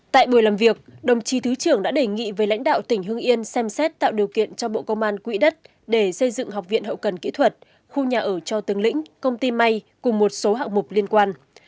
tại buổi làm việc đồng chí thứ trưởng đã đề nghị với lãnh đạo tỉnh hưng yên xem xét tạo điều kiện cho bộ công an quỹ đất để xây dựng học viện hậu cần kỹ thuật khu nhà ở cho tướng lĩnh công ty may cùng một số hạng mục liên quan